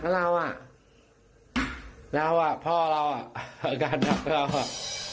แล้วพ่อเราอาการหนักเรา